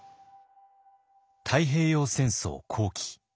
太平洋戦争後期。